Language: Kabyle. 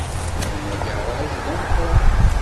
Lan agaṛaj d ameqran.